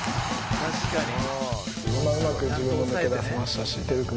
「確かに」